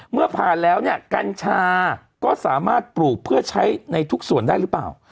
เมื่อผ่านแล้วเนี่ยกัญชาก็สามารถปลูกเพื่อใช้ในทุกส่วนได้หรือเปล่า